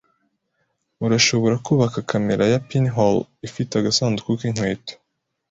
Urashobora kubaka kamera ya pinhole ifite agasanduku k'inkweto.